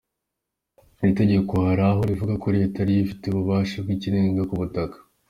Iri tegeko hari aho rivuga ko Leta ariyo ifite ububasha bw’ikirenga k’ubutaka.